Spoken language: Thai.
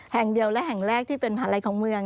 แห่งเดียวและแห่งแรกที่เป็นมหาลัยของเมือง